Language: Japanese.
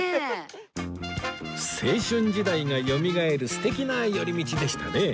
青春時代がよみがえる素敵な寄り道でしたね